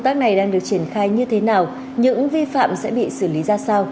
triển khai như thế nào những vi phạm sẽ bị xử lý ra sao